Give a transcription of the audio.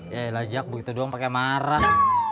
ya elah jak begitu doang pake marah